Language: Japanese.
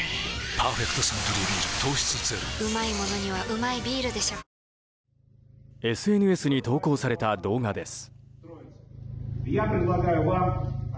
「パーフェクトサントリービール糖質ゼロ」ＳＮＳに投稿された動画です。